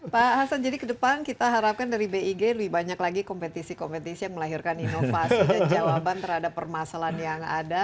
pak hasan jadi ke depan kita harapkan dari big lebih banyak lagi kompetisi kompetisi yang melahirkan inovasi dan jawaban terhadap permasalahan yang ada